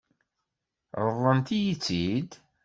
Ṛeḍlent-iyi-tt-id?